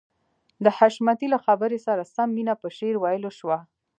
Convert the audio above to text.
د حشمتي له خبرې سره سم مينه په شعر ويلو شوه.